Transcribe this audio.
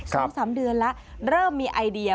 สองสามเดือนแล้วเริ่มมีไอเดีย